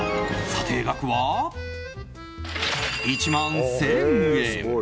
査定額は、１万１０００円。